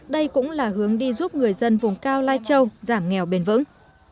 đây cũng là hướng đi giúp người dân vùng cao lai châu giảm nghèo bền vững